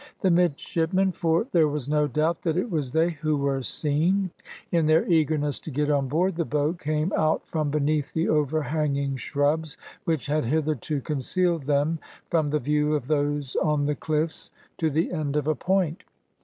The midshipmen, for there was no doubt that it was they who were seen, in their eagerness to get on board the boat, came out from beneath the overhanging shrubs which had hitherto concealed them from the view of those on the cliffs, to the end of a point.